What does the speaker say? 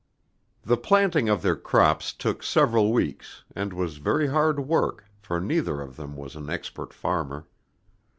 The planting of their crops took several weeks, and was very hard work, for neither of them was an expert farmer.